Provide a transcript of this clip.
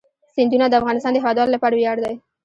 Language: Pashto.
سیندونه د افغانستان د هیوادوالو لپاره ویاړ دی.